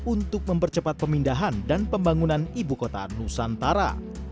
untuk mempercepat pemindahan dan pembangunan ibu kota nusantara